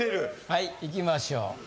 はいいきましょう